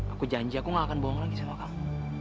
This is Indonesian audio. aku janji aku gak akan bohong lagi sama kamu